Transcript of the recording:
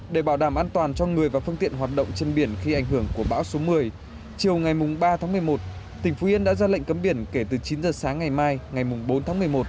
để bảo đảm an toàn cho người và phương tiện hoạt động trên biển khi ảnh hưởng của bão số một mươi chiều ngày ba tháng một mươi một tỉnh phú yên đã ra lệnh cấm biển kể từ chín giờ sáng ngày mai ngày bốn tháng một mươi một